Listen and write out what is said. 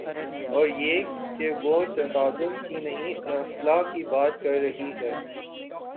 اوریہ کہ وہ تصادم کی نہیں، اصلاح کی بات کررہی ہے۔